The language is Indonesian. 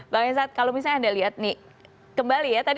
pak insad kalau misalnya anda lihat nih kembali ya